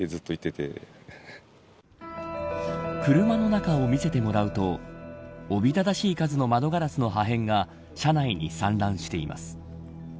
車の中を見せてもらうとおびただしい数の窓ガラスの破片が車内に散乱しています。